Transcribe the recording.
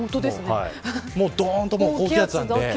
どーんと高気圧なんで。